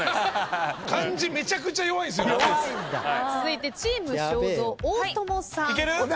続いてチーム正蔵大友さん。